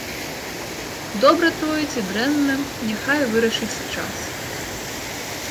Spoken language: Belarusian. Добра тое ці дрэнна, няхай вырашыць час.